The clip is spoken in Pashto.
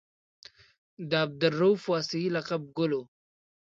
د عبدالرؤف واسعي لقب ګل و.